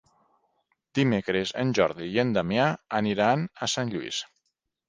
Dimecres en Jordi i en Damià aniran a Sant Lluís.